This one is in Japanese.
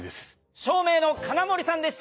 照明の金森さんでした！